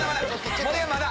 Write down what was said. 盛山まだ！